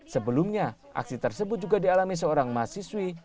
sebelumnya aksi tersebut juga dialami seorang mahasiswi